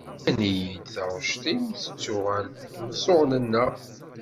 Nnan-iyi-d taɣect-im, tettuɣal-d deg meẓẓuɣen-nneɣ.